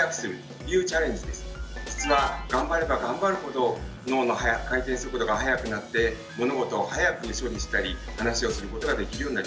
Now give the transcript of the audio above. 実は頑張れば頑張るほど脳の回転速度が速くなって物事を速く処理したり話をすることができるようになります。